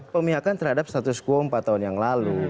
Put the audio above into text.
pemihakan terhadap status quo empat tahun yang lalu